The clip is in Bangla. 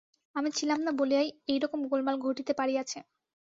আমি ছিলাম না বলিয়াই এইরকম গোলমাল ঘটিতে পারিয়াছে।